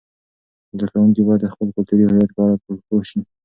زده کوونکي باید د خپل کلتوري هویت په اړه پوه سي.